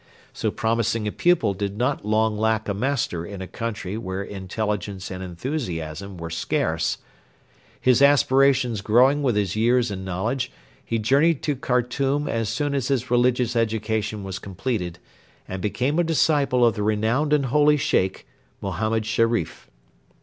So promising a pupil did not long lack a master in a country where intelligence and enthusiasm were scarce. His aspirations growing with his years and knowledge, he journeyed to Khartoum as soon as his religious education was completed, and became a disciple of the renowned and holy Sheikh, Mohammed Sherif.